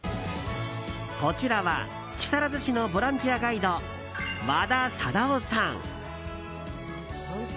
こちらは木更津市のボランティアガイド和田貞夫さん。